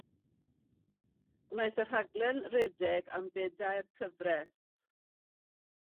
Gwnaeth y rhaglen redeg am bedair cyfres.